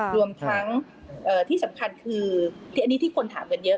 รวมทั้งที่สำคัญคืออันนี้ที่คนถามกันเยอะ